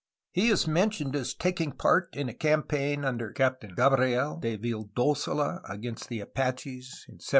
He is mentioned as taking part in a campaign under Captain Gabriel de Vild6sola against the Apaches in 1758.